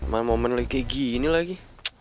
main momen lagi kayak gini lagi